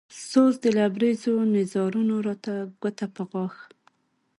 سوز د لبرېزو نيزارونو راته ګوته په غاښ